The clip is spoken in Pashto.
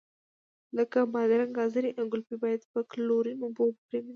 لکه بادرنګ، ګازرې او ګلپي باید په کلورین اوبو پرېمنځئ.